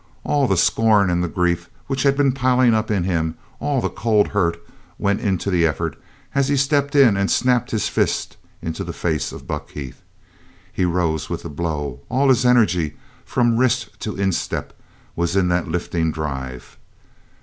All the scorn and the grief which had been piling up in him, all the cold hurt went into the effort as he stepped in and snapped his fist into the face of Buck Heath. He rose with the blow; all his energy, from wrist to instep, was in that lifting drive.